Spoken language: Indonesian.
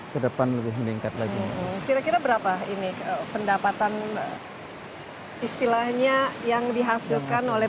kedepan lebih meningkat lagi kira kira berapa ini pendapatan istilahnya yang dihasilkan oleh